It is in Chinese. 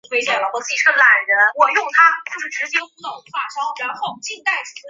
柏林嘴古城遗址的历史年代为唐。